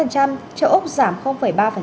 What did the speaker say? châu úc tăng ba